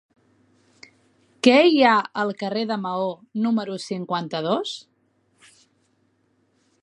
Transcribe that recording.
Què hi ha al carrer de Maó número cinquanta-dos?